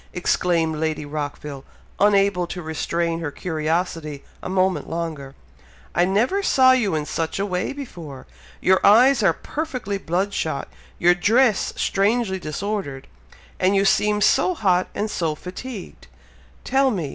exclaimed Lady Rockville, unable to restrain her curiosity a moment longer. "I never saw you in such a way before! Your eyes are perfectly blood shot your dress strangely disordered and you seem so hot and so fatigued! Tell me!